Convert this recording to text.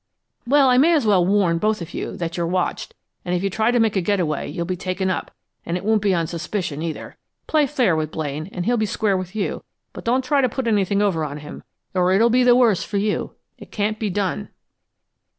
"Well, I may as well warn both of you that you're watched, and if you try to make a get away, you'll be taken up and it won't be on suspicion, either. Play fair with Blaine, and he'll be square with you, but don't try to put anything over on him, or it'll be the worse for you. It can't be done."